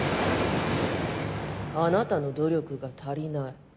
・あなたの努力が足りない。